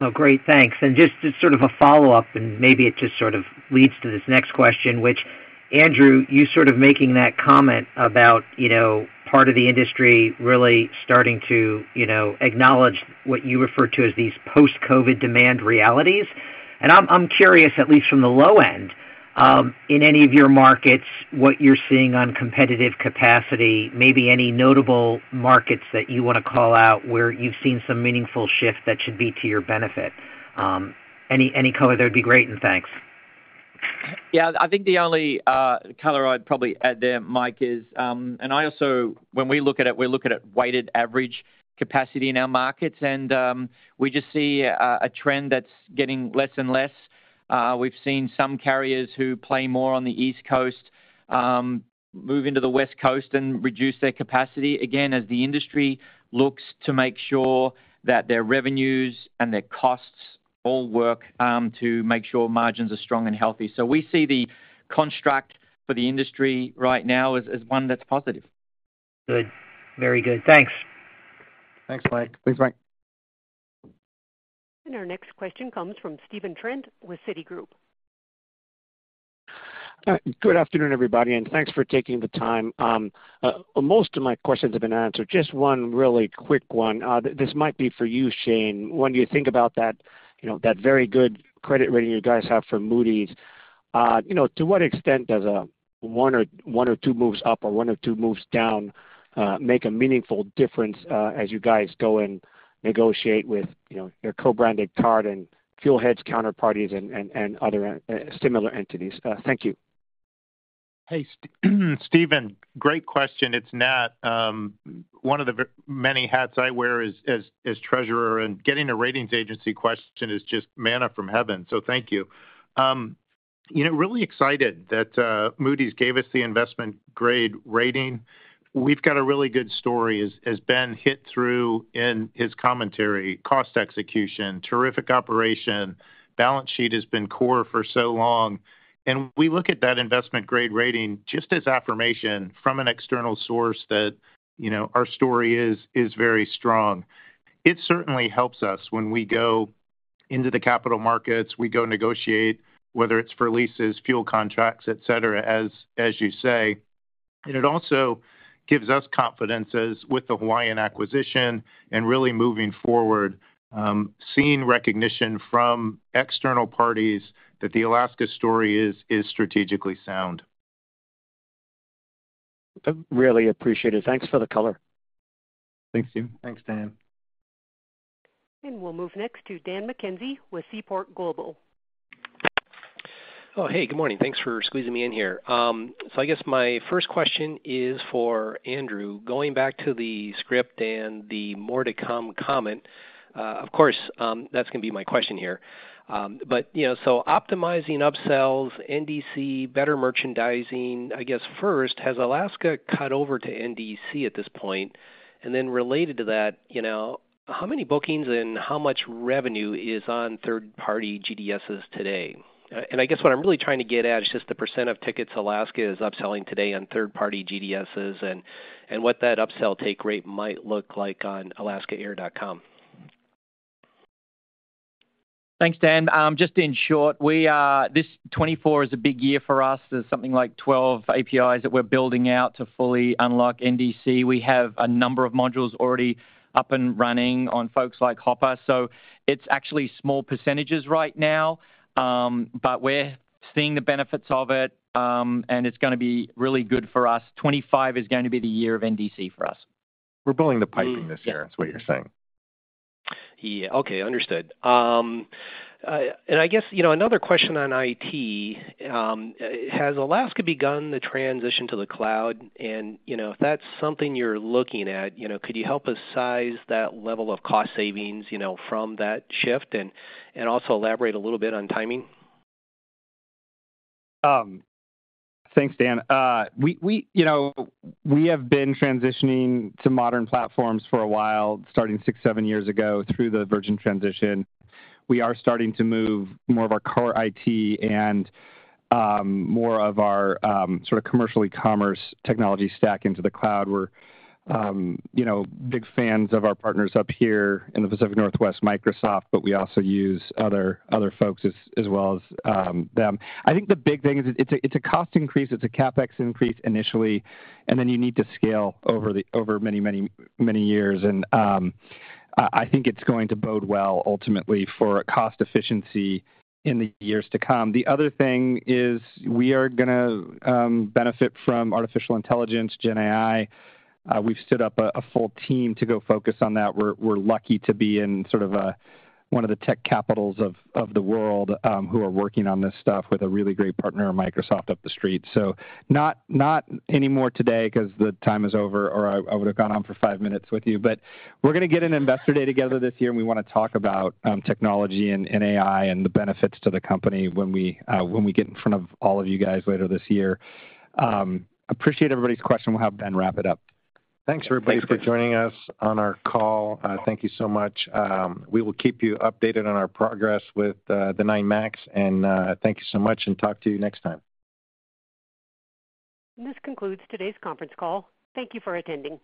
Oh, great, thanks. And just sort of a follow-up, and maybe it just sort of leads to this next question, which, Andrew, you sort of making that comment about, you know, part of the industry really starting to, you know, acknowledge what you refer to as these post-COVID demand realities. And I'm curious, at least from the low end, in any of your markets, what you're seeing on competitive capacity, maybe any notable markets that you want to call out where you've seen some meaningful shift that should be to your benefit. Any color there would be great, and thanks. Yeah, I think the only color I'd probably add there, Mike, is, and I also—when we look at it, we look at it weighted average capacity in our markets, and we just see a trend that's getting less and less. We've seen some carriers who play more on the East Coast move into the West Coast and reduce their capacity. Again, as the industry looks to make sure that their revenues and their costs all work to make sure margins are strong and healthy. So we see the construct for the industry right now as one that's positive. Good. Very good. Thanks. Thanks, Mike. Thanks, Mike. Our next question comes from Stephen Trent with Citigroup. Good afternoon, everybody, and thanks for taking the time. Most of my questions have been answered. Just one really quick one. This might be for you, Shane. When you think about that, you know, that very good credit rating you guys have from Moody's, you know, to what extent does a one or, one or two moves up or one or two moves down, make a meaningful difference, as you guys go and negotiate with, you know, your co-branded card and fuel hedge, counterparties and, and, and other, similar entities? Thank you. Hey, Steven, great question. It's Nat. One of the very many hats I wear is, as, as treasurer, and getting a ratings agency question is just manna from heaven, so thank you. You know, really excited that, Moody's gave us the investment-grade rating. We've got a really good story, as, as Ben hit through in his commentary. Cost execution, terrific operation, balance sheet has been core for so long, and we look at that investment-grade rating just as affirmation from an external source that, you know, our story is, is very strong. It certainly helps us when we go into the capital markets. We go negotiate, whether it's for leases, fuel contracts, et cetera, as, as you say. And it also gives us confidence as with the Hawaiian acquisition and really moving forward, seeing recognition from external parties that the Alaska story is, is strategically sound. I really appreciate it. Thanks for the color. Thanks, team. Thanks, Steve. We'll move next to Dan McKenzie with Seaport Global. Oh, hey, good morning. Thanks for squeezing me in here. So I guess my first question is for Andrew. Going back to the script and the more to come comment, of course, that's going to be my question here. But, you know, so optimizing upsells, NDC, better merchandising, I guess first, has Alaska cut over to NDC at this point? And then related to that, you know, how many bookings and how much revenue is on third-party GDSs today? And I guess what I'm really trying to get at is just the percent of tickets Alaska is upselling today on third-party GDSs and, and what that upsell take rate might look like on alaskaair.com. Thanks, Dan. Just in short, 2024 is a big year for us. There's something like 12 APIs that we're building out to fully unlock NDC. We have a number of modules already up and running on folks like Hopper, so it's actually small percentages right now, but we're seeing the benefits of it, and it's gonna be really good for us. 2025 is going to be the year of NDC for us. We're building the piping this year- Yeah. is what you're saying. Yeah. Okay, understood. And I guess, you know, another question on IT. Has Alaska begun the transition to the cloud? And, you know, if that's something you're looking at, you know, could you help us size that level of cost savings, you know, from that shift? And also elaborate a little bit on timing. Thanks, Dan. We, you know, we have been transitioning to modern platforms for a while, starting 6, 7 years ago, through the Virgin transition. We are starting to move more of our core IT and more of our sort of commercial e-commerce technology stack into the cloud. We're, you know, big fans of our partners up here in the Pacific Northwest, Microsoft, but we also use other folks as well as them. I think the big thing is it's a cost increase, it's a CapEx increase initially, and then you need to scale over many, many, many years. And I think it's going to bode well ultimately for cost efficiency in the years to come. The other thing is we are gonna benefit from artificial intelligence, GenAI. We've stood up a full team to go focus on that. We're lucky to be in sort of a one of the tech capitals of the world who are working on this stuff with a really great partner, Microsoft, up the street. So not any more today because the time is over, or I would have gone on for five minutes with you, but we're gonna get an investor day together this year, and we want to talk about technology and AI and the benefits to the company when we get in front of all of you guys later this year. Appreciate everybody's question. We'll have Ben wrap it up. Thanks, everybody, for joining us on our call. Thank you so much. We will keep you updated on our progress with the 9 MAX, and thank you so much, and talk to you next time. This concludes today's conference call. Thank you for attending.